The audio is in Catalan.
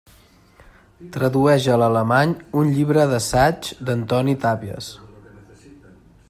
Tradueix a l’alemany un llibre d'assaigs d'Antoni Tàpies.